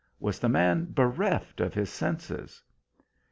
Was the man bereft of his senses?